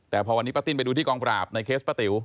แต่พอวันนี้ป้าติ้นไปดูที่กองปราบในเคสป้าติ๋ว